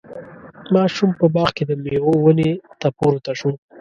ماشوم په باغ کې د میوو ونې ته پورته شو.